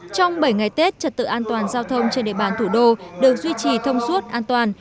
trong bảy ngày tết trật tự an toàn giao thông trên địa bàn thủ đô được duy trì thông suốt an toàn